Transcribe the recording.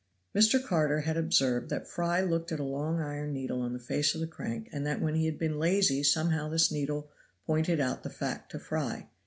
Mr. Carter had observed that Fry looked at a long iron needle on the face of the crank and that when he had been lazy somehow this needle pointed out the fact to Fry.